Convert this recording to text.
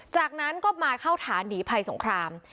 จากนั้นก็มาเข้าฐานหนีภัยสงคราม